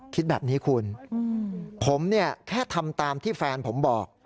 คิดแบบนี้คุณผมเนี่ยแค่ทำตามที่แฟนผมบอก